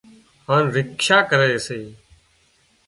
هانَ رکشا ڪري سي